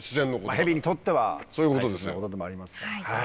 ヘビにとっては大切なことでもありますから。